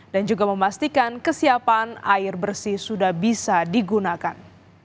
dan juga memastikan kesiapan air bersih sudah bisa digunakan